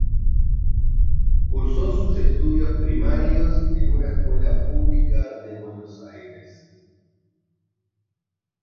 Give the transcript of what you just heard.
Cursó sus estudios primarios en una escuela pública de Buenos Aires.